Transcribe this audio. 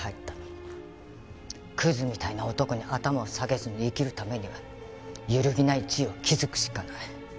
クズみたいな男に頭を下げずに生きるためには揺るぎない地位を築くしかない。